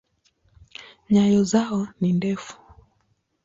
Nyayo zao ni ndefu.